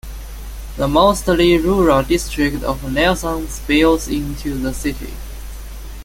The mostly rural district of Nelson spills into the city.